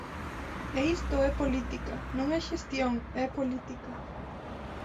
E isto é política, non é xestión, é política.